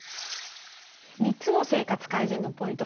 ３つの生活改善のポイント